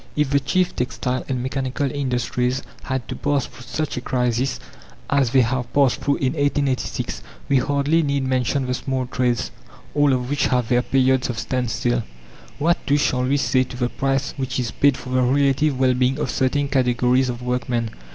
If the chief textile and mechanical industries had to pass through such a crisis as they have passed through in 1886, we hardly need mention the small trades, all of which have their periods of standstill. What, too, shall we say to the price which is paid for the relative well being of certain categories of workmen?